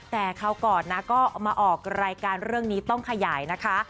แต่คราวก่อนนะก็มาออกรายการเรื่องนี้ต้องขยายนะคะ